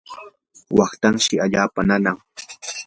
waqtanshi allaapa nanan.